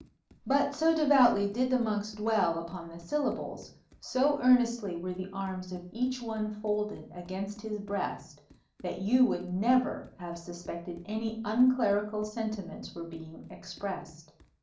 '" But so devoutly did the monks dwell upon the syllables, so earnestly were the arms of each one folded against his breast, that you would never have suspected any unclerical sentiments were being expressed.